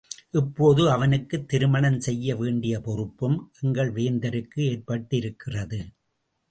இப்போது அவனுக்குத் திருமணம் செய்ய வேண்டிய பொறுப்பும் எங்கள் வேந்தருக்கு ஏற்பட்டிருக்கிறது.